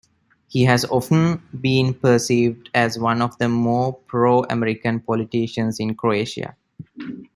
He has often been perceived as one of the more pro-American politicians in Croatia.